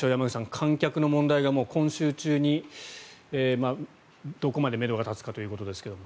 観客の問題が今週中にどこまでめどが立つかということですが。